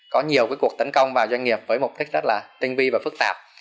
có nhiều cuộc tấn công vào doanh nghiệp với mục đích rất là tinh vi và phức tạp